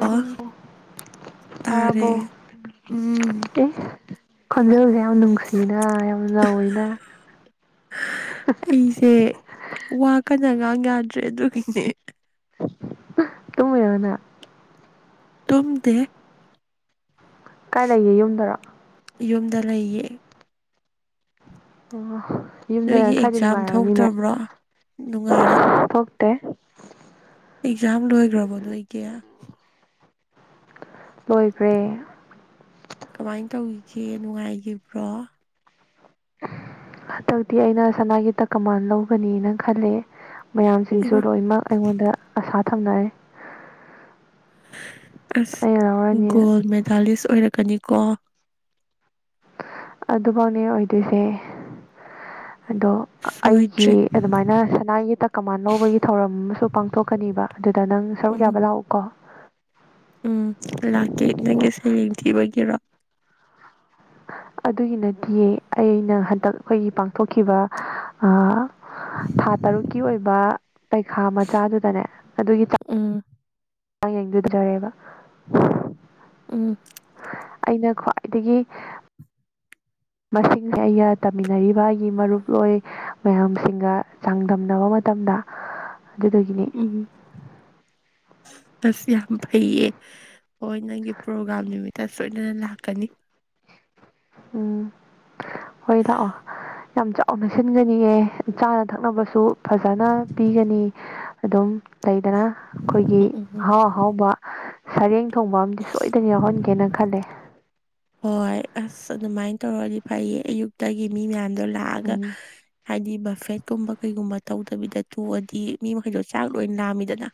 ꯑꯣ ꯇꯥꯔꯦ ꯇꯥꯔꯕꯣ ꯎꯝ ꯑꯦ ꯈꯣꯟꯖꯦꯜꯁꯦ ꯌꯥꯝ ꯅꯨꯡꯁꯤꯅ ꯌꯥꯝ ꯅꯧꯋꯤꯅ ꯑꯩꯁꯦ ꯋꯥ ꯀꯟꯅ ꯉꯥꯡ ꯌꯥꯗ꯭ꯔꯦ ꯑꯗꯨꯒꯤꯅꯦ ꯑꯩ ꯇꯨꯝꯃꯨꯏꯔ ꯅꯪ ꯇꯨꯝꯗꯦ ꯀꯥꯏ ꯂꯩꯒꯦ ꯌꯨꯝꯗꯔꯣ ꯌꯨꯝꯗ ꯂꯩꯌꯦ ꯑꯣ ꯅꯣꯏꯒꯤ ꯌꯨꯝꯗꯅ ꯈꯔꯗꯤ ꯑꯦꯛꯖꯥꯝ ꯅꯨꯡꯉꯥꯏꯔꯃꯅꯤꯅꯦ ꯊꯣꯛꯇꯕ꯭ꯔꯣ ꯅꯨꯡꯉꯥꯏꯔꯦ ꯊꯣꯛꯇꯦ ꯑꯦꯛꯖꯥꯝ ꯂꯣꯏꯒ꯭ꯔꯕꯣ ꯅꯣꯏꯗꯤ ꯂꯣꯏꯈ꯭ꯔꯦ ꯀꯃꯥꯏꯟ ꯇꯧꯒꯤꯒꯦ ꯅꯨꯡꯉꯥꯏꯒꯤꯕ꯭ꯔꯣ ꯍꯟꯇꯛꯇꯤ ꯑꯩꯅ ꯁꯅꯥꯒꯤ ꯇꯀꯃꯥꯟ ꯂꯧꯒꯅꯤꯅ ꯈꯜꯂꯦ ꯃꯌꯥꯝꯁꯤꯡꯁꯨ ꯏꯃꯥ ꯂꯣꯏꯃꯛ ꯑꯩꯉꯣꯟꯗ ꯑꯁꯥ ꯊꯝꯅꯔꯦ ꯑꯁ ꯑꯩꯅ ꯂꯧꯔꯅꯤꯅ ꯒꯣꯜ ꯃꯦꯗꯥꯂꯤꯁ ꯑꯣꯏꯔꯛꯀꯅꯤꯀꯣ ꯑꯗꯨꯃꯛꯅꯦ ꯑꯣꯏꯗꯣꯏꯁꯦ ꯑꯗꯣ ꯑꯩꯒꯤ ꯁꯣꯏꯗ꯭ꯔꯦ ꯑꯗꯨꯃꯥꯏꯅ ꯁꯅꯥꯒꯤ ꯇꯀꯃꯥꯟ ꯂꯧꯕꯒꯤ ꯊꯧꯔꯝ ꯑꯃꯁꯨ ꯄꯥꯡꯊꯣꯛꯀꯅꯤꯕ ꯑꯗꯨꯗ ꯅꯪ ꯁꯔꯨꯛ ꯎꯝ ꯌꯥꯕ ꯂꯥꯛꯎꯀꯣ ꯎꯝ ꯂꯥꯛꯀꯦ ꯅꯪꯒꯤ ꯁꯩꯔꯦꯡ ꯊꯤꯕꯒꯤꯔꯣ ꯑꯗꯨꯒꯤ ꯅꯠꯇꯤꯌꯦ ꯑꯩꯅ ꯍꯟꯇꯛ ꯈꯣꯏꯒꯤ ꯄꯥꯡꯊꯣꯛꯈꯤꯕ ꯑꯥ ꯊꯥ ꯇꯔꯨꯛꯀꯤ ꯑꯣꯏꯕ ꯄꯩꯈꯥ ꯃꯆꯥꯗꯨꯗꯅꯦ ꯑꯗꯨꯒꯤ ꯎꯝ [unintelligible] ꯎꯝ ꯑꯩꯅ ꯈ꯭ꯋꯥꯏꯗꯒꯤ ꯃꯁꯤꯡꯁꯦ ꯑꯩꯒ ꯇꯝꯃꯤꯟꯅꯔꯤꯕ ꯑꯩꯒꯤ ꯃꯔꯨꯞ ꯂꯣꯏ ꯃꯌꯥꯝꯁꯤꯡꯒ ꯆꯥꯡꯗꯝꯅꯕ ꯃꯇꯝꯗ ꯑꯗꯨꯗꯒꯤ ꯎꯝ ꯑꯁ ꯌꯥꯝ ꯐꯩꯌꯦ ꯍꯣꯏ ꯅꯪꯒꯤ ꯄ꯭ꯔꯣꯒ꯭ꯔꯥꯝ ꯅꯨꯃꯤꯠꯇ ꯁꯣꯏꯗꯅ ꯂꯥꯛꯀꯅꯤ ꯎꯝ ꯍꯣꯏ ꯂꯥꯛꯑꯣ ꯌꯥꯝ ꯆꯥꯎꯅ ꯁꯤꯟꯒꯅꯤꯑꯦ ꯆꯥꯅ ꯊꯛꯅꯕꯁꯨ ꯐꯖꯅ ꯄꯤꯒꯅꯤ ꯑꯗꯨꯝ ꯂꯩꯗꯅ ꯈꯣꯏꯒꯤ ꯎꯝ ꯎꯝ ꯑꯍꯥꯎ ꯑꯍꯥꯎꯕ ꯁꯔꯦꯡ ꯊꯣꯡꯕ ꯑꯃꯗꯤ ꯁꯣꯏꯗꯅ ꯌꯥꯎꯍꯟꯒꯦꯅ ꯈꯜꯂꯦ ꯍꯣꯏ ꯑꯁ ꯑꯗꯨꯃꯥꯏꯅ ꯇꯧꯔꯗꯤ ꯐꯩꯌꯦ ꯑꯌꯨꯛꯇꯒꯤ ꯃꯤ ꯃꯌꯥꯝꯗꯣ ꯂꯥꯛꯑꯒ ꯎꯝ ꯍꯥꯏꯗꯤ ꯕꯐꯦꯠꯀꯨꯝꯕ ꯀꯩꯒꯨꯝꯕ ꯇꯧꯗꯕꯤꯗ ꯇꯣꯛꯑꯗꯤ ꯃꯤ ꯃꯈꯩꯗꯣ ꯆꯥꯛ ꯂꯣꯏꯅ ꯂꯥꯝꯃꯤꯗꯅ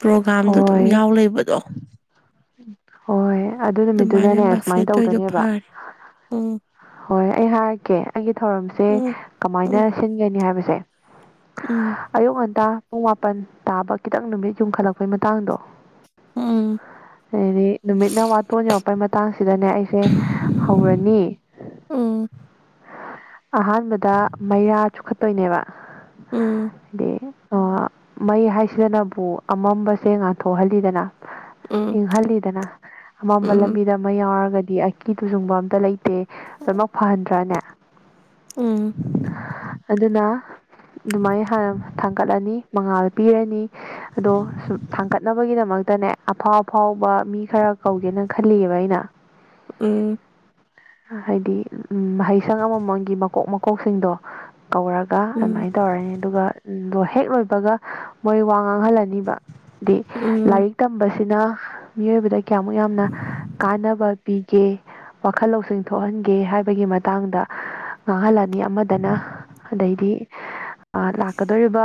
ꯄ꯭ꯔꯣꯒ꯭ꯔꯥꯝꯗꯣ ꯑꯗꯨꯝ ꯍꯣꯏ ꯌꯥꯎ ꯂꯩꯕꯗꯣ ꯍꯣꯏ ꯑꯗꯨ ꯑꯗꯨꯃꯥꯏꯅ ꯅꯨꯃꯤꯠꯇꯨꯗꯅꯦ ꯕꯐꯦꯠ ꯁꯨꯃꯥꯏꯅ ꯇꯧꯔꯤꯗꯣ ꯇꯧꯗꯣꯏꯅꯦꯕ ꯐꯔꯦ ꯎꯝ ꯍꯣꯏ ꯑꯩ ꯍꯥꯏꯔꯛꯀꯦ ꯑꯩꯒꯤ ꯊꯧꯔꯝꯁꯦ ꯎꯝ ꯀꯃꯥꯏꯅ ꯁꯤꯟꯒꯅꯤ ꯍꯥꯏꯕꯁꯦ ꯎꯝ ꯑꯌꯨꯛ ꯉꯟꯇꯥ ꯄꯨꯡ ꯃꯥꯄꯟ ꯇꯥꯕ ꯈꯤꯇꯪ ꯅꯨꯃꯤꯠ ꯌꯨꯡꯈꯠꯂꯛꯄꯩ ꯃꯇꯥꯡꯗꯣ ꯎꯝ ꯑꯗꯩꯩꯗꯤ ꯅꯨꯃꯤꯠꯅ ꯋꯥ ꯇꯣꯟ ꯌꯧꯔꯛꯄꯩ ꯃ ꯇꯥꯡꯁꯤꯗꯅꯦ ꯑꯩꯁꯦ ꯍꯧꯔꯅꯤ ꯎꯝ ꯑꯍꯥꯟꯕꯗ ꯃꯩꯔꯥ ꯆꯨꯈꯠꯇꯣꯏꯅꯦꯕ ꯎꯝ ꯎꯝ ꯍꯥꯏꯗꯤ ꯑ ꯃꯩ ꯍꯥꯏꯁꯤꯅꯕꯨ ꯑꯃꯝꯕꯁꯦ ꯉꯥꯟꯊꯣꯛꯍꯜꯂꯤꯗꯅ ꯎꯝ ꯏꯪꯍꯜꯂꯤꯗꯅ ꯎꯝ ꯎꯝ ꯑꯃꯝꯕ ꯎꯝ ꯂꯝꯕꯤꯗ ꯃꯩ ꯌꯥꯎꯔꯒꯗꯤ ꯑꯀꯤ ꯇꯨꯖꯨꯡꯕ ꯑꯝꯇ ꯂꯩꯇꯦ ꯂꯣꯏꯃꯛ ꯐꯍꯟꯗ꯭ꯔꯅꯦ ꯎꯝ ꯑꯗꯨꯅ ꯑꯗꯨꯃꯥꯏꯅ ꯍꯥꯟꯅ ꯊꯥꯡꯒꯠꯂꯅꯤ ꯃꯉꯥꯜ ꯄꯤꯔꯅꯤ ꯑꯗꯣ ꯁꯨꯝ ꯊꯥꯡꯒꯠꯅꯕꯒꯤꯗꯃꯛꯇꯅꯦ ꯑꯐꯥꯎ ꯑꯐꯥꯎꯕ ꯃꯤ ꯈꯔ ꯀꯧꯒꯦꯅ ꯈꯜꯂꯤꯌꯦꯕ ꯑꯩꯅ ꯎꯝ ꯍꯥꯏꯗꯤ ꯎꯝ ꯃꯍꯩꯁꯪ ꯑꯃꯃꯝꯒꯤ ꯃꯀꯣꯛ ꯃꯀꯣꯛꯁꯤꯡꯗꯣ ꯀꯧꯔꯒ ꯒ ꯎꯝ ꯑꯗꯨꯃꯥꯏꯅ ꯇꯧꯔꯅꯤ ꯑꯗꯨꯒ ꯗꯣ ꯍꯦꯛ ꯂꯣꯏꯕꯒ ꯃꯣꯏ ꯋꯥ ꯉꯥꯡꯍꯜꯂꯅꯤꯕ ꯗꯤ ꯎꯝ ꯂꯥꯏꯔꯤꯛ ꯇꯝꯕꯁꯤꯅ ꯃꯤꯑꯣꯏꯕꯗ ꯀꯌꯥꯃꯨꯛ ꯌꯥꯝꯅ ꯀꯥꯟꯅꯕ ꯄꯤꯒꯦ ꯈꯜ ꯂꯧꯁꯤꯡ ꯊꯣꯛꯍꯟꯒꯦ ꯍꯥꯏꯕꯒꯤ ꯃꯇꯥꯡꯗ ꯉꯥꯡꯍꯜꯂꯅꯤ ꯑꯃꯗꯅ ꯑꯗꯩꯗꯤ ꯑ ꯂꯥꯛꯀꯗꯣꯔꯤꯕ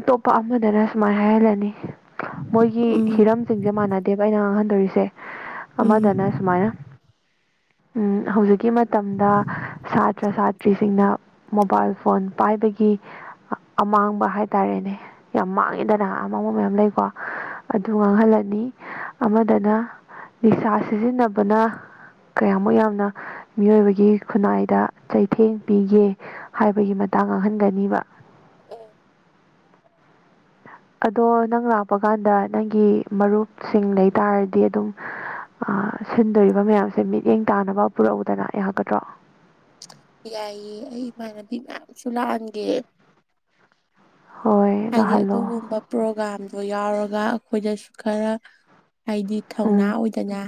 ꯑꯇꯣꯞꯄ ꯑꯃꯗꯅ ꯁꯨꯃꯥꯏ ꯍꯥꯏꯍꯜꯂꯅꯤ ꯃꯣꯏꯒꯤ ꯎꯝ ꯍꯤꯔꯝꯁꯤꯡꯁꯦ ꯃꯥꯟꯅꯗꯦꯕ ꯑꯩꯅ ꯉꯥꯡꯍꯟꯗꯣꯔꯤꯁꯦ ꯎꯝ ꯑꯃꯗꯅ ꯁꯨꯃꯥꯏꯅ ꯎꯝ ꯍꯧꯖꯤꯛꯀꯤ ꯃꯇꯝꯗ ꯁꯥꯇ꯭ꯔ ꯁꯥꯇ꯭ꯔꯤꯁꯤꯡꯅ ꯃꯣꯕꯥꯏꯜ ꯐꯣꯟ ꯄꯥꯏꯕꯒꯤ ꯑꯃꯥꯡꯕ ꯍꯥꯏꯇꯥꯔꯦꯅꯦ ꯌꯥꯝ ꯃꯥꯡꯉꯤꯗꯅ ꯑꯃꯥꯡꯕ ꯃꯌꯥꯝ ꯂꯩꯀꯣ ꯑꯗꯨ ꯉꯥꯡꯍꯜꯂꯅꯤ ꯑꯃꯗꯅ ꯅꯤꯁꯥ ꯁꯤꯖꯤꯟꯅꯕꯅ ꯀꯌꯥꯃꯨꯛ ꯌꯥꯝꯅ ꯃꯤꯑꯣꯏꯕꯒꯤ ꯈꯨꯟꯅꯥꯏꯗ ꯆꯩꯊꯦꯡ ꯄꯤꯒꯦ ꯍꯥꯏꯕꯒꯤ ꯃꯇꯥꯡ ꯉꯥꯡꯍꯟꯒꯅꯤꯕ ꯑꯗꯣ ꯅꯪ ꯂꯥꯛꯄ ꯀꯥꯟꯗ ꯅꯪꯒꯤ ꯃꯔꯨꯞꯁꯤꯡ ꯂꯩꯇꯥꯥꯔꯗꯤ ꯑꯗꯨꯝ ꯁꯤꯟꯗꯣꯔꯤꯕ ꯃꯌꯥꯝꯁꯦ ꯃꯤꯠꯌꯦꯡ ꯇꯥꯅꯕ ꯄꯨꯔꯛꯎꯗꯅ ꯌꯥꯒꯗ꯭ꯔꯣ ꯌꯥꯏꯌꯦ ꯑꯩ ꯏꯃꯥꯟꯅꯕꯤ ꯃꯌꯥꯝꯁꯨ ꯂꯥꯛꯑꯟꯒꯦ ꯍꯣꯏ ꯍꯥꯏꯗꯤ ꯂꯥꯛꯍꯜꯂꯣ ꯑꯗꯨꯒꯨꯝꯕ ꯄ꯭ꯔꯣꯒꯥꯝꯗꯣ ꯌꯥꯎꯔꯒ ꯑꯩꯈꯣꯏꯗꯁꯨ ꯈꯔ ꯍꯥꯏꯗꯤ ꯊꯧꯅꯥ ꯎꯝ ꯑꯣꯏ ꯍꯥꯏꯗꯅ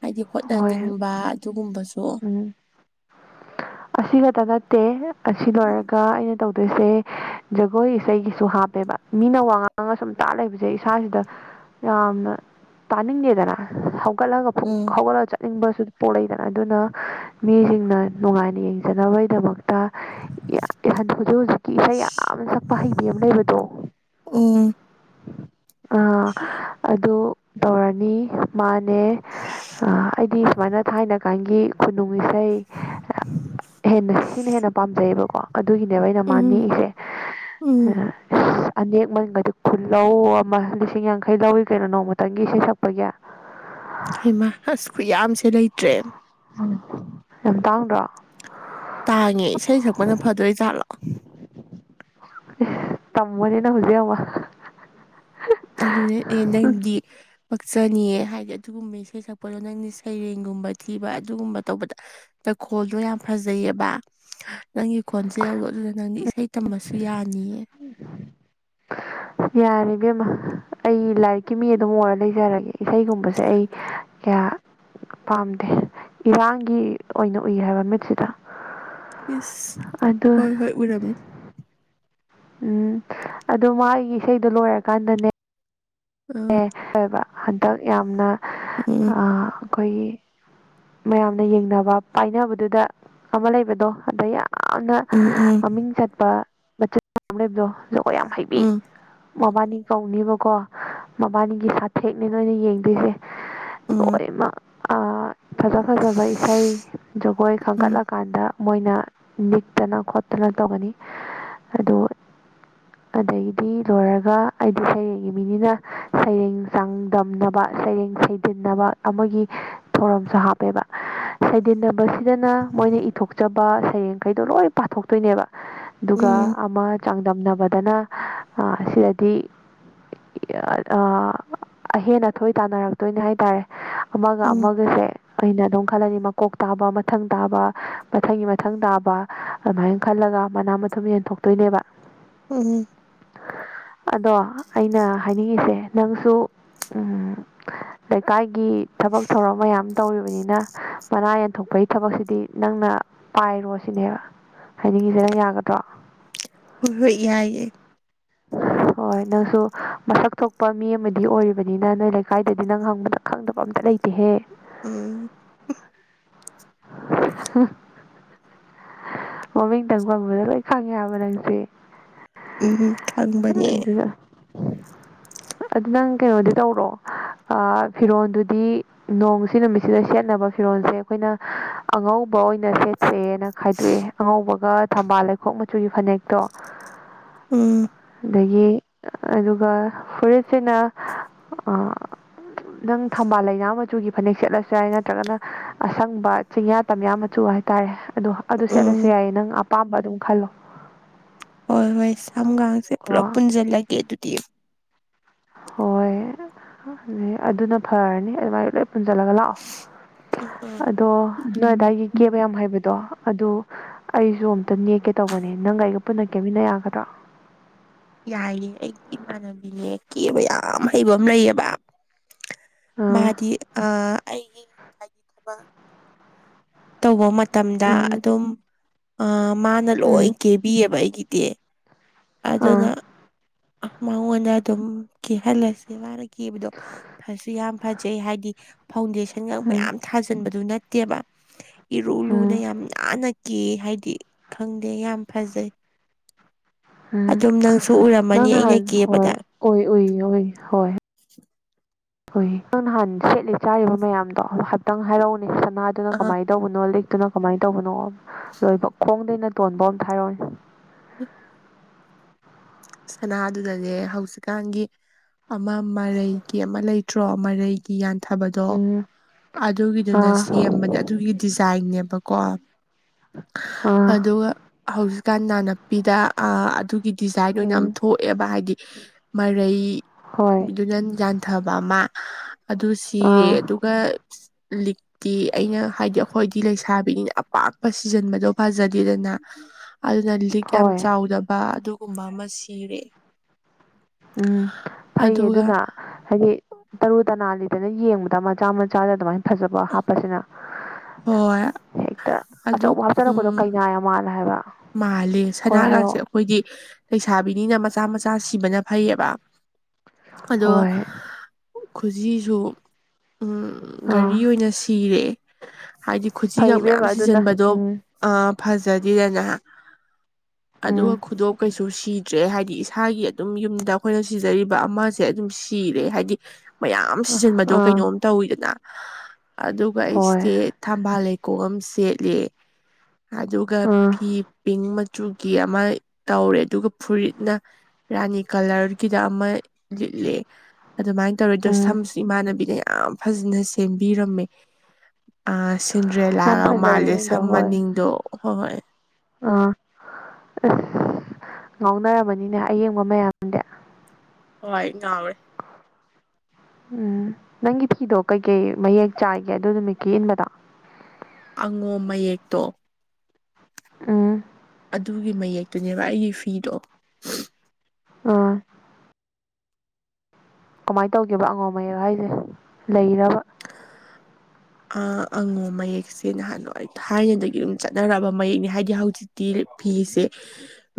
ꯍꯥꯏꯗꯤ ꯍꯣꯠꯅꯅꯤꯡꯕ ꯑꯗꯨꯒꯨꯝꯕꯁꯨ ꯎ ꯑꯁꯤ ꯈꯛꯇ ꯅꯠꯇꯦ ꯑꯁꯤ ꯂꯣꯏꯔꯒ ꯑꯩꯅ ꯇꯧꯗꯣꯏꯁꯦ ꯖꯒꯣꯏ ꯏꯁꯩꯒꯤꯁꯨ ꯍꯥꯞꯄꯦꯕ ꯃꯤꯅ ꯋꯥ ꯉꯥꯡꯉꯒ ꯁꯨꯝ ꯇꯥ ꯂꯩꯕꯁꯦ ꯏꯁꯥꯁꯤꯗ ꯌꯥꯝꯅ ꯇꯥꯅꯤꯡꯗꯦꯗꯅ ꯀꯠꯂꯒ ꯐꯨꯛ ꯎꯝ ꯍꯧꯒꯠꯂꯒ ꯆꯠꯅꯤꯡꯕꯁꯨ ꯄꯣꯛꯂꯛꯏꯗꯅ ꯑꯗꯨꯅ ꯃꯤꯁꯤꯡꯅ ꯅꯨꯡꯉꯥꯏꯅ ꯌꯦꯡꯖꯅꯕꯒꯤꯗꯃꯛꯇ ꯍꯧꯖꯤꯛ ꯍꯧꯖꯤꯛꯀꯤ ꯏꯁꯩ ꯌꯥꯝꯅ ꯁꯛꯄ ꯍꯩꯕꯤ ꯑꯃ ꯂꯩꯕꯗꯣ ꯎꯝ ꯑꯥ ꯑꯗꯨ ꯇꯧꯔꯅꯤ ꯃꯥꯅꯦ ꯑꯩꯗꯤ ꯁꯨꯃꯥꯏꯅ ꯊꯥꯏꯅ ꯀꯥꯟꯒꯤ ꯈꯨꯅꯨꯡ ꯏꯁꯩ ꯍꯦꯟꯅ ꯁꯤꯅ ꯍꯦꯟꯅ ꯄꯥꯝꯖꯩꯌꯦꯕꯀꯣ ꯑꯗꯨꯒꯤꯅꯦꯕ ꯑꯩꯅ ꯎꯝ ꯃꯥꯅꯤꯡꯦꯛꯏꯁꯦ ꯎꯝ ꯎ ꯑꯅꯦꯛ ꯃꯅꯤꯡꯒꯗꯤ ꯈꯨꯜꯂꯧ ꯑꯃ ꯂꯤꯁꯤꯡ ꯌꯥꯡꯈꯩ ꯂꯧꯏꯤ ꯀꯩꯅꯣ ꯅꯣꯡꯃꯇꯪꯒꯤ ꯏꯁꯩꯩ ꯁꯛꯄꯒꯤ ꯍꯩꯃꯁ ꯈꯨꯠꯌꯥꯝꯁꯦ ꯂꯩꯇ꯭ꯔꯦ ꯌꯥꯝ ꯇꯥꯡꯗ꯭ꯔꯣ ꯇꯥꯡꯉꯦ ꯏꯁꯩ ꯁꯛꯄꯅ ꯐꯗꯣꯏꯖꯥꯠꯂꯣ ꯇꯝꯃꯅꯤꯅ ꯍꯖꯤꯕ ꯑꯗꯨꯅꯦ ꯑꯦ ꯅꯪꯗꯤ ꯄꯛꯆꯅꯤꯌꯦ ꯍꯥꯏꯗꯤ ꯑꯗꯨꯒꯨꯝꯕ ꯏꯁꯩ ꯁꯛꯄꯗꯣ ꯅꯪꯅ ꯁꯩꯔꯦꯡꯒꯨꯝꯕ ꯊꯤꯕ ꯑꯗꯨꯒꯨꯝꯕ ꯇꯧꯕꯗ ꯇꯩꯈꯣꯜꯗꯣ ꯌꯥꯝ ꯐꯖꯩꯑꯕ ꯅꯪꯒꯤ ꯈꯣꯟꯁꯦ ꯌꯧꯗꯣ ꯑꯗꯨꯗ ꯅꯪꯗꯤ ꯏꯁꯩ ꯇꯝꯃꯁꯨ ꯌꯥꯅꯤꯌꯦ ꯌꯥꯔꯕꯦꯝꯃ ꯑꯩ ꯂꯥꯏꯔꯤꯛꯀꯤ ꯃꯤ ꯑꯗꯨꯝ ꯑꯣꯏꯔ ꯂꯩꯖꯔꯒꯦ ꯏꯁꯩꯒꯨꯝꯕꯁꯦ ꯑꯩ ꯀꯌꯥ ꯄꯥꯝꯗꯦ ꯏꯔꯥꯡꯒꯤ ꯑꯣꯏꯅ ꯎꯏ ꯍꯥꯏꯕ ꯃꯤꯠꯁꯤꯗ ꯌꯦꯁ ꯑꯗꯨ ꯍꯣꯏ ꯍꯣꯏ ꯎꯔꯝꯃꯦ ꯎꯝ ꯑꯗꯣ ꯃꯥꯒꯤ ꯏꯁꯩꯗꯣ ꯂꯣꯏꯔꯀꯥꯟꯗꯅꯦ ꯑ ꯑꯦꯣꯏꯕ ꯍꯟꯗꯛ ꯌꯥꯝꯅ ꯎꯝ ꯑꯩꯈꯣꯏꯒꯤ ꯃꯌꯥꯝꯅ ꯌꯦꯡꯅꯕ ꯄꯥꯏꯅꯕꯗꯨꯗ ꯑꯃ ꯂꯩꯕꯗꯣ ꯑꯗꯩ ꯌꯥꯝꯅ ꯎꯝ ꯎꯝ ꯃꯃꯤꯡ ꯆꯠꯄ ꯃꯆꯤꯟ ꯃ ꯑꯃ ꯂꯩꯕꯗꯣ ꯖꯒꯣꯏ ꯌꯥꯝ ꯍꯩꯕꯤ ꯎꯝ ꯃꯕꯥꯅꯤ ꯀꯧꯅꯤꯕꯀꯣ ꯃꯕꯥꯅꯤꯒꯤ ꯁꯥꯊꯦꯛꯅꯤ ꯅꯣꯏꯅ ꯌꯦꯡꯗꯣꯏꯁꯦ ꯎꯝ ꯑꯣꯏꯃ ꯑ ꯐꯖ ꯐꯖꯕ ꯏꯁꯩ ꯖꯒꯣꯏ ꯎꯝ ꯈꯟꯒꯠꯂꯀꯥꯟꯗ ꯃꯣꯏꯅ ꯅꯤꯛꯇꯅ ꯈꯣꯠꯇꯅ ꯇꯧꯒꯅꯤ ꯑꯗꯨ ꯑꯗꯒꯤꯗꯤ ꯂꯣꯏꯔꯒ ꯑꯩꯗꯤ ꯁꯩꯔꯦꯡꯒꯤ ꯃꯤꯅꯤꯅ ꯁꯩꯔꯦꯡ ꯆꯥꯡꯗꯝꯅꯕ ꯁꯩꯔꯦꯡ ꯁꯩꯗꯟꯅꯕ ꯑꯃꯒꯤ ꯊꯧꯔꯝꯁꯨ ꯍꯥꯞꯄꯦꯕ ꯁꯩꯗꯤꯟꯅꯕꯁꯤꯗꯅ ꯃꯣꯏꯅ ꯏꯊꯣꯛꯆꯕ ꯁꯩꯔꯦꯡꯈꯩꯗꯣ ꯂꯣꯏ ꯄꯥꯊꯣꯛꯇꯣꯏꯅꯦꯕ ꯑꯗꯨꯒ ꯎꯝ ꯑꯃ ꯆꯥꯡꯗꯝꯅꯕꯗꯅ ꯁꯤꯗꯗꯤ ꯍꯦꯟꯅ ꯊꯣꯏ ꯇꯥꯟꯅꯔꯛꯇꯣꯏꯅꯦ ꯍꯥꯏꯇꯥꯔꯦ ꯑꯃꯒ ꯎꯝ ꯑꯃꯒꯁꯦ ꯑꯩꯅ ꯑꯗꯨꯝ ꯈꯜꯂꯅꯤ ꯃꯀꯣꯛ ꯇꯥꯕ ꯃꯊꯪ ꯇꯥꯕ ꯃꯊꯪꯒꯤ ꯃꯊꯪ ꯇꯥꯕ ꯑꯗꯨꯃꯥꯏꯅ ꯈꯜꯂꯒ ꯃꯅꯥ ꯃꯊꯨꯝ ꯌꯦꯟꯊꯣꯛꯇꯣꯏꯅꯦꯕ ꯎꯝ ꯑꯗꯣ ꯑꯩꯅ ꯍꯥꯏꯅꯤꯡꯉꯤꯁꯦ ꯅꯪꯁꯨ ꯐ ꯂꯩꯀꯥꯏꯒꯤ ꯊꯕꯛ ꯊꯧꯔꯝ ꯃꯌꯥꯝ ꯇꯧꯔꯤꯕꯅꯤꯅ ꯃꯅꯥ ꯌꯦꯟꯊꯣꯛꯄꯒꯤ ꯊꯕꯛꯁꯤꯗꯤ ꯅꯪꯅ ꯄꯥꯏꯔꯣ ꯁꯤꯅꯦꯕ ꯍꯥꯏꯗꯤꯒꯤꯁꯦ ꯅꯪ ꯌꯥꯒꯗ꯭ꯔꯣ ꯍꯍꯣꯏ ꯌꯥꯥꯏ ꯍꯣꯏ ꯅꯪꯁꯨ ꯃꯁꯛ ꯊꯣꯛꯄ ꯃꯤ ꯑꯃꯗꯤ ꯑꯣꯏꯔꯤꯕꯅꯤꯅ ꯅꯣꯏ ꯂꯩꯀꯥꯏꯗꯗꯤ ꯅꯪ ꯍꯪꯕꯗ ꯈꯪꯗꯕ ꯑꯝꯇ ꯂꯩꯇꯦꯍꯦ ꯑꯝ [unintelligible] ꯃꯃꯤꯡꯇꯪ ꯄꯪꯕꯗ ꯂꯣꯏ ꯈꯪꯉꯦ ꯍꯥꯏꯕ ꯅꯪꯁꯦ ꯎꯝ ꯈꯥꯟ ꯑꯗꯨ ꯑꯗꯨ ꯅꯪ ꯀꯩꯅꯣꯗꯤ ꯇꯧꯔꯣ ꯐꯤꯔꯣꯜꯗꯨꯗꯤ ꯅꯣꯡꯁꯤ ꯅꯨꯃꯤꯠꯁꯤꯗ ꯁꯦꯠꯅꯕ ꯐꯤꯔꯣꯜꯁꯦ ꯑꯩꯈꯣꯏꯅ ꯑꯉꯧꯕ ꯑꯣꯏꯅ ꯁꯦꯠꯁꯦꯅ ꯈꯥꯏꯗꯣꯛꯑꯦ ꯑꯉꯧꯕꯒ ꯊꯝꯕꯥꯜ ꯂꯩꯈꯣꯛ ꯃꯆꯨꯒꯤ ꯐꯅꯦꯛꯇꯣ ꯎꯝ ꯑꯗꯒꯤ ꯑꯗꯨꯒ ꯐꯨꯔꯤꯁꯁꯤꯅ ꯅꯪ ꯊꯝꯕꯥꯜ ꯂꯩꯅꯥ ꯃꯆꯨꯒꯤ ꯐꯅꯦꯛ ꯁꯦꯠꯂꯁꯨ ꯌꯥꯏ ꯅꯠꯇ꯭ꯔꯒꯅ ꯑꯁꯪꯕ ꯆꯤꯡꯌꯥ ꯇꯝꯌꯥ ꯃꯆꯨ ꯍꯥꯏꯇꯥꯔꯦ ꯑꯗꯣ ꯑꯗꯨ ꯁꯦꯠꯂꯁꯨ ꯎꯝ ꯌꯥꯏꯌꯦ ꯅꯪ ꯑꯄꯥꯝꯕ ꯑꯗꯨꯝ ꯈꯜꯂꯣ ꯍꯣꯏ ꯍꯣꯏ ꯁꯝꯒꯥꯡꯁꯦ ꯀꯣ ꯄꯨꯂꯞ ꯄꯨꯟꯁꯤꯜꯂꯒꯦ ꯑꯗꯨꯗꯤ ꯍꯣꯏ ꯑꯗꯨ ꯑꯗꯨꯅ ꯐꯔꯅꯤ ꯑꯗꯨꯃꯥꯏꯅ ꯂꯣꯏ ꯄꯨꯟꯖꯜꯂꯒ ꯂꯥꯛꯑꯣ ꯑꯗꯣ ꯅꯣꯏꯗꯥꯏꯒꯤ ꯀꯦꯕ ꯌꯥꯝ ꯍꯩꯕꯗꯣ ꯑꯗꯨ ꯑꯩꯁꯨ ꯑꯝꯇ ꯅꯦꯛꯀꯦ ꯇꯧꯕꯅꯦ ꯅꯪ ꯑꯩꯒ ꯄꯨꯟꯅ ꯀꯦꯃꯤꯟꯅ ꯌꯥꯒꯗ꯭ꯔꯣ ꯌꯥꯏꯌꯦ ꯑꯩꯒꯤ ꯏꯃꯥꯟꯅꯕꯤꯅꯦ ꯀꯦꯕ ꯌꯥꯝ ꯍꯩꯕ ꯑꯃ ꯂꯩꯑꯕ ꯑꯥ ꯃꯥꯗꯤ ꯑ ꯑꯩꯒꯤ ꯍꯥꯏꯗꯤ ꯊꯕꯛ ꯇꯧꯕ ꯃꯇꯝꯗ ꯎꯝ ꯑꯗꯨꯝ ꯃꯥꯅ ꯎꯝ ꯂꯣꯏ ꯀꯦꯕꯤꯑꯕ ꯑꯩꯒꯤꯗꯤ ꯑꯗꯨꯅ ꯑꯥ ꯃꯉꯣꯟꯗ ꯑꯗꯨꯝ ꯀꯦꯍꯜꯂꯁꯦ ꯃꯥꯅ ꯀꯦꯕꯗꯣ ꯐꯁꯨ ꯌꯥꯝ ꯐꯖꯩ ꯍꯥꯏꯗꯤ ꯐꯥꯎꯟꯗꯦꯁꯟꯒ ꯎꯝ ꯃꯌꯥꯝ ꯊꯥꯖꯤꯟꯕꯗꯨ ꯅꯠꯇꯦꯕ ꯏꯔꯨ ꯂꯨꯅ ꯎꯝ ꯌꯥꯝ ꯅꯥꯟꯅ ꯀ ꯍꯥꯏꯗꯤ ꯈꯪꯗꯦ ꯌꯥꯝ ꯐꯖꯩ ꯎꯝ ꯑꯗꯨꯝ ꯅꯪꯁꯨ ꯎꯔꯝꯃꯅꯤ ꯑꯩꯅ ꯅꯪꯍꯥꯟ ꯍꯣꯏ ꯀꯦꯕꯗ ꯎꯏ ꯎꯏ ꯎꯏ ꯍꯣꯏ ꯍꯨꯏ ꯅꯪ ꯅꯍꯥꯟ ꯁꯦꯠꯂꯤ ꯆꯥꯔꯤꯕ ꯃꯌꯥꯝꯗꯣ ꯍꯥꯏꯇꯪ ꯍꯥꯏꯔꯛꯎꯅꯦ ꯁꯅꯥꯗꯨꯅ ꯑ ꯀꯃꯥꯏꯅꯧ ꯇꯧꯕꯅꯣ ꯂꯤꯛꯇꯨꯅ ꯀꯃꯥꯏꯅ ꯇꯧꯕꯅꯣ ꯂꯣꯏꯕ ꯈꯣꯡꯗꯩꯅ ꯇꯣꯟꯕ ꯑꯃ ꯊ ꯍꯥꯏꯔꯛꯏ ꯎ ꯁꯅꯥꯗꯨꯗꯅꯦ ꯍꯧꯖꯤꯛꯀꯥꯟꯒꯤ ꯑꯃ ꯃꯔꯩꯒꯤ ꯑꯃ ꯂꯩꯇ꯭ꯔꯣ ꯃꯔꯩ ꯌꯥꯟꯊꯕꯗꯣ ꯎꯝ ꯑꯗꯨꯒꯤꯗꯨꯅ ꯑꯥ ꯁꯦꯝꯕꯅꯦ ꯑꯗꯨꯒꯤ ꯗꯤꯖꯥꯏꯟꯅꯦꯕꯀꯣ ꯑꯥ ꯑꯗꯨꯒ ꯍꯧꯖꯤꯛꯀꯥꯟ ꯅꯥꯟꯅꯄꯤꯗ ꯑꯗꯨꯒꯤ ꯗꯤꯖꯥꯏꯟ ꯑꯣꯏꯅ ꯌꯥꯝ ꯎꯝ ꯊꯣꯛꯑꯦꯕ ꯍꯥꯏꯗꯤ ꯍꯣꯏ ꯃꯔꯩꯗꯨꯅ ꯌꯥꯟꯊꯕ ꯑꯃ ꯑꯗꯨ ꯁꯤꯔꯦ ꯑꯥ ꯑꯗꯨꯒ ꯂꯤ ꯀꯤ ꯑꯩꯅ ꯍꯥꯏꯗꯤ ꯑꯩꯈꯣꯏꯗꯤ ꯂꯩꯁꯥꯕꯤꯅꯤꯅ ꯑꯄꯥꯛ ꯄꯄ ꯁꯤꯖꯟꯕꯗꯣ ꯐꯖꯗꯦꯗꯅ ꯑꯗꯨꯅ ꯂꯤꯛ ꯌꯥꯝ ꯍꯣꯏ ꯆꯥꯎꯗꯕ ꯑꯗꯨ ꯒꯨꯝꯕ ꯑꯃ ꯁꯤꯔꯦ ꯎꯝ ꯐꯩ ꯑꯗꯨꯒ ꯑꯗꯨꯅ ꯍꯥꯏꯗꯤ ꯇꯔꯨ ꯇꯅꯥꯜꯂꯤꯗꯅ ꯌꯦꯡꯕꯗ ꯃꯆꯥ ꯃꯆꯥꯗ ꯑꯗꯨꯃꯥꯏꯅ ꯐꯖꯕ ꯍꯥꯞꯄꯁꯤꯅ ꯍꯣꯏ ꯍꯦꯛꯇ ꯑꯗꯨ ꯑꯆꯧꯕ ꯍꯥꯞꯆꯜꯔꯛꯄꯗꯣ ꯎꯝ ꯀꯩꯅꯥ ꯃꯥꯜꯂꯦ ꯍꯥꯏꯕ ꯃꯥꯜꯂꯦ ꯍꯣꯏ ꯁꯅꯥꯒꯁꯦ ꯍꯥꯏꯔꯛꯑꯣ ꯑꯩꯈꯣꯏꯗꯤ ꯂꯩꯁꯥꯕꯤꯅꯤꯅ ꯃꯆꯥ ꯃꯆꯥ ꯁꯤꯕꯅ ꯐꯩꯌꯦꯕ ꯑꯗꯨꯒ ꯍꯣꯏ ꯈꯨꯖꯤꯁꯨ ꯎꯝ ꯘꯔꯤ ꯑꯥ ꯑꯣꯏꯅ ꯁꯤꯔꯦ ꯍꯥꯏꯗꯤ ꯈꯨꯁꯤꯈ ꯐꯩ ꯃꯌꯥꯝ ꯏꯕꯦꯝꯃ ꯑꯗꯨꯅ ꯁꯤꯖꯟꯕꯗꯣ ꯎꯝ ꯑ ꯐꯖꯗꯦꯗꯅ ꯑꯗꯨꯒ ꯎꯝ ꯈꯨꯗꯣꯞ ꯀꯩꯁꯨ ꯁꯤꯔꯤ ꯠꯇ꯭ꯔꯦ ꯍꯥꯏꯗꯤ ꯏꯁꯥꯒꯤ ꯑꯗꯨꯝ ꯌꯨꯝꯗ ꯑꯩꯈꯣꯏꯅ ꯁꯤꯖꯔꯤꯕ ꯑꯃꯁꯦ ꯑꯗꯨꯝ ꯁꯤꯔꯦ ꯍꯥꯏꯗꯤ ꯃꯌꯥꯝ ꯑꯃ ꯁꯤꯖꯟꯕꯗꯣ ꯑꯥ ꯀꯩꯅꯣꯝ ꯇꯧꯋꯤꯗꯅ ꯑꯗꯨꯒ ꯍꯣꯏ ꯑꯩꯁꯤꯗꯤꯦ ꯊꯝꯕꯥꯜ ꯂꯩꯀꯣꯛ ꯑꯃ ꯁꯦꯠꯂꯦ ꯑꯗꯨꯒ ꯑꯥ ꯐꯤ ꯄꯤꯡ ꯃꯆꯨꯒꯤ ꯑꯃ ꯇꯧꯔꯦ ꯑꯗꯨꯒ ꯐꯨꯔꯤꯠꯅ ꯔꯥꯅꯤ ꯀꯂꯔꯒꯤꯗ ꯑꯃ ꯂꯤꯠꯂꯦ ꯑꯗꯨꯃꯥꯏꯅ ꯇꯧꯔꯗꯣ ꯎꯝ ꯁꯝꯁꯨ ꯏꯃꯥꯟꯅꯕꯤꯅ ꯌꯥꯝ ꯐꯖꯅ ꯁꯦꯝꯕꯤꯔꯝꯃꯦ ꯑ ꯌꯥꯝ ꯁꯤꯟꯗ꯭ꯔꯦꯂꯥꯒ ꯐꯖꯩꯌꯦ ꯃꯥꯜꯂꯦ ꯅꯪꯗꯣ ꯁꯝ ꯍꯣꯏ ꯃꯅꯤꯡꯗꯣ ꯍꯣꯏ ꯍꯣꯏ ꯑꯥ ꯉꯥꯎꯅꯔꯕꯅꯤꯅꯦ ꯑꯌꯦꯡꯕ ꯃꯌꯥꯝ ꯑꯗ ꯍ ꯏ ꯉꯦ ꯎꯝ ꯅꯪꯒꯤ ꯐꯤꯗꯣ ꯀꯩꯀꯩ ꯃꯌꯦꯛ ꯆꯥꯏꯒꯦ ꯑꯗꯨ ꯅꯨꯃꯤꯠꯀꯤ ꯏꯟꯕꯗ ꯑꯉꯣꯝ ꯃꯌꯦꯛꯇꯣ ꯑ ꯑꯗꯨꯒꯤ ꯃꯌꯦꯛꯇꯨꯅꯦꯕ ꯑꯩꯒꯤ ꯐꯤꯗꯣ ꯑꯥ ꯀꯃꯥꯏꯅ ꯇꯧꯒꯦꯕ ꯑꯉꯝ ꯃꯌꯦꯛ ꯍꯥꯏꯁꯦ ꯂꯩꯔꯕ ꯑ ꯑꯉꯣ ꯃꯌꯦꯛꯁꯦ ꯅꯍꯥꯟꯋꯥꯏ ꯊꯥꯏꯅꯗꯒꯤ ꯑꯗꯨꯝ ꯆꯠꯅꯔꯛꯑꯕ ꯃꯌꯦꯛꯅꯦ ꯍꯥꯏꯗꯤ ꯍꯧꯖꯤꯛꯇꯤ ꯇꯤ ꯐꯤꯁꯦ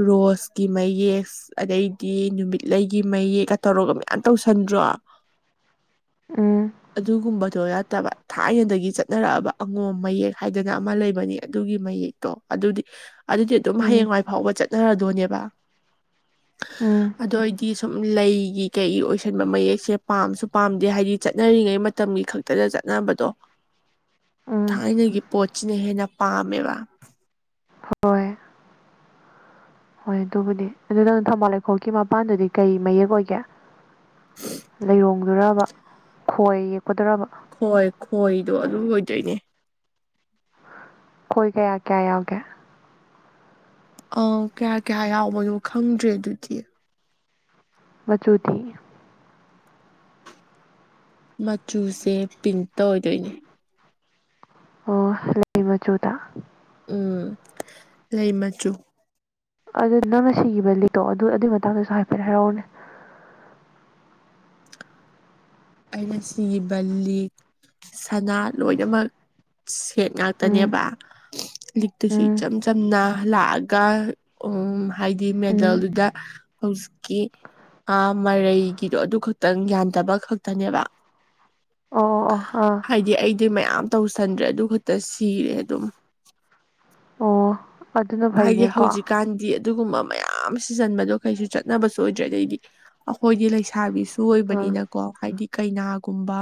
ꯔꯣꯁꯀꯤ ꯃꯌꯦꯛ ꯑꯗꯩꯗꯤ ꯅꯨꯃꯤꯠꯂꯒꯤ ꯃꯌꯦꯛꯀ ꯇꯧꯔꯒ ꯃꯌꯥꯝ ꯇꯧꯁꯟꯗ꯭ꯔꯣ ꯎ ꯑꯗꯨꯒꯨꯝꯕꯗꯣ ꯌꯥꯗꯕ ꯊꯥꯏꯅꯗꯒꯤ ꯆꯠꯅꯔꯛꯑꯕ ꯑꯉꯣꯝ ꯃꯌꯦꯛ ꯍꯥꯏꯗꯅ ꯑꯃ ꯂꯩꯕꯅꯤ ꯑꯗꯨꯒꯤ ꯃꯌꯦꯛ ꯣ ꯑꯗꯨꯗꯤ ꯑꯗꯨꯗꯤ ꯑꯗꯨꯝ ꯎꯝ ꯍꯌꯦꯡꯋꯥꯏ ꯐꯥꯎꯕ ꯆꯠꯅꯔꯗꯣꯏꯅꯦꯕ ꯎꯝ ꯑꯗꯨꯗ ꯑꯣꯏꯗꯤ ꯁꯨꯝ ꯂꯩꯒꯤ ꯀꯩꯒꯤ ꯑꯣꯏꯁꯟꯕ ꯃꯌꯦꯛꯁꯦ ꯄꯥꯝꯁꯨ ꯄꯥꯝꯗꯦ ꯍꯥꯏꯗꯤ ꯆꯠꯅꯔꯤꯉꯩ ꯃꯇꯝꯒꯤ ꯈꯛꯇꯗ ꯆꯠꯅꯕꯗꯣ ꯎꯝ ꯊꯥꯏꯅꯒꯤ ꯄꯣꯠꯁꯤꯅ ꯍꯦꯟꯅ ꯄꯄꯥꯝꯕ ꯍꯣꯏ ꯍꯣꯏ ꯑꯗꯨꯕꯨꯗꯤ ꯑꯗꯨ ꯅꯪ ꯊꯧꯕꯥꯜ ꯂꯩꯈꯣꯛꯀꯤ ꯃꯄꯥꯟꯗꯨꯗꯤ ꯀꯩ ꯃꯌꯦꯛ ꯑꯣꯏꯒꯦ ꯂꯩꯔꯣꯡꯗꯣꯔꯕ ꯈꯣꯏ ꯌꯦꯛꯀꯗꯣꯔꯕ ꯈꯣꯏ ꯈꯣꯏꯗꯣ ꯑꯗꯨ ꯑꯣꯏꯣꯏꯗꯣꯏꯅꯦ ꯀꯣꯏ ꯀꯌꯥ ꯀꯌꯥ ꯌꯥꯎꯒꯦ ꯑ ꯀꯌꯥ ꯀꯌꯥ ꯌꯥꯎꯕꯅꯣ ꯈꯪꯗ꯭ꯔꯦ ꯑꯗꯨꯗꯤ ꯃꯆꯨꯗꯤ ꯃꯆꯨꯁꯦ ꯄꯤꯡꯇ ꯑꯣꯏꯗꯣꯏꯅꯦ ꯑꯣ ꯂꯩ ꯃꯆꯨꯗ ꯎꯝ ꯂꯩ ꯃꯆꯨ ꯑꯗꯨ ꯅꯪꯅ ꯁꯤꯈꯤꯕ ꯂꯤꯠꯇꯣ ꯑꯗꯨ ꯑꯗꯨꯒꯤ ꯃꯇꯥꯡꯗꯁꯨ ꯍꯥꯏꯐꯦꯠ ꯍꯥꯏꯔꯛꯎꯅꯦ ꯑꯩꯅ ꯁꯤꯈꯤꯕ ꯂꯤ ꯁꯅꯥ ꯂꯣꯏꯅꯃꯛ ꯁꯦꯠ ꯎꯝ ꯉꯥꯛꯇꯅꯦꯕ ꯂꯤꯛꯇꯨꯁꯨ ꯎꯝ ꯏꯆꯝ ꯆꯝꯅ ꯂꯥꯛꯑꯒ ꯎꯝ ꯍꯥꯏꯗꯤ ꯎꯝ ꯃꯦꯗꯜꯗꯨꯗ ꯍꯧꯖꯤꯛꯀꯤ ꯃꯔꯩꯒꯤꯗꯣ ꯑꯗꯨ ꯈꯛꯇꯪ ꯌꯥꯟꯗꯕ ꯈ ꯟꯕ ꯑꯣ ꯑꯣ ꯑꯥ ꯍꯥꯏꯗꯤ ꯑꯩꯗꯤ ꯃꯌꯥꯝ ꯇꯧꯁꯟꯗ꯭ꯔꯦ ꯑꯗꯨ ꯈꯛꯇ ꯁꯤꯔꯦ ꯑꯗꯨꯝ ꯑꯣ ꯑꯗꯨꯅ ꯍꯥꯏꯗꯤ ꯐꯩꯅꯦꯀꯣ ꯑꯥ ꯍꯧꯖꯤꯛꯀꯥꯟꯗꯤ ꯑꯗꯨꯒꯨꯝꯕ ꯃꯌꯥꯝ ꯁꯤꯖꯟꯕꯗꯣ ꯀꯩꯁꯨ ꯆꯠꯅꯕꯁꯨ ꯑꯣꯏꯗ꯭ꯔꯦ ꯑꯗꯩꯗꯤ ꯑꯩꯈꯣꯏꯒꯤ ꯂꯩꯁꯥꯕꯤꯁꯨ ꯁ ꯍꯣꯏ ꯑꯣꯏꯕꯅꯤꯅꯀꯣ ꯍꯥꯏꯗꯤ ꯀꯩꯅꯥꯒꯨꯝꯕ